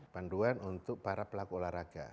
panduan untuk para pelaku olahraga